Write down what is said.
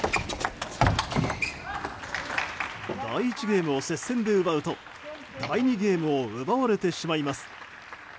第１ゲームを接戦で奪うと第２ゲームを奪われてしまいます。